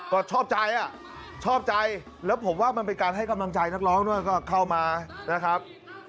ก็ชอบใจอ่ะชอบใจแล้วผมว่ามันเป็นการให้กำลังใจนักร้องด้วยก็เข้ามานะครับ